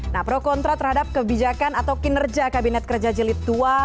nah pro kontra terhadap kebijakan atau kinerja kabinet kerja jelit ii